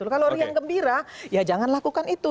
kalau riang gembira ya jangan lakukan itu